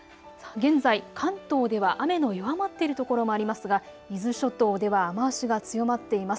現在、関東では雨の弱まっているところもありますが伊豆諸島では雨足が強まっています。